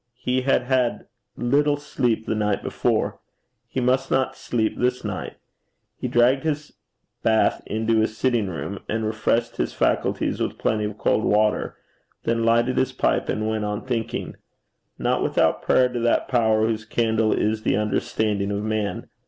He had had little sleep the night before. He must not sleep this night. He dragged his bath into his sitting room, and refreshed his faculties with plenty of cold water, then lighted his pipe and went on thinking not without prayer to that Power whose candle is the understanding of man.